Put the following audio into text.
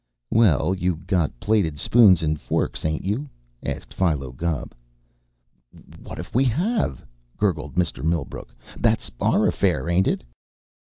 "Well, you got plated spoons and forks, ain't you?" asked Philo Gubb. "What if we have?" gurgled Mr. Millbrook. "That's our affair, ain't it?"